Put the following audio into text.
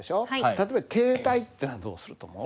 例えば「携帯」ってのはどうすると思う？